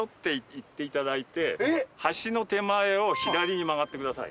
橋の手前を左に曲がってください。